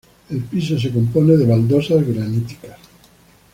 El piso se compone de baldosas graníticas.